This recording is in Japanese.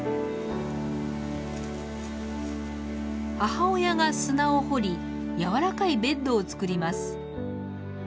母親が砂を掘りやわらかいベッドを作ります。